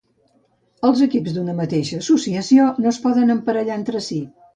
Els equips d'una mateixa associació no es poden emparellar entre si.